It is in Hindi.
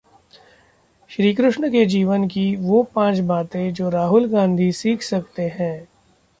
श्रीकृष्ण के जीवन की वो पांच बातें जो राहुल गांधी सीख सकते हैं